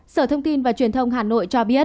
sở thông tin và truyền thông hà nội cho biết